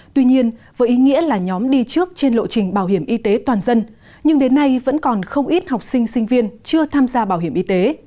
tuy nhiên với ý nghĩa là nhóm đi trước trên lộ trình bảo hiểm y tế toàn dân nhưng đến nay vẫn còn không ít học sinh sinh viên chưa tham gia bảo hiểm y tế